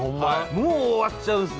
もう終わっちゃうんですか？